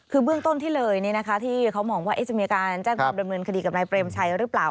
คือเบื้องต้นที่เลยเนี่ยนะคะที่เขามองว่าจะมีการแจ้งประเมินคดีกับนายเปรมชัยหรือเปล่า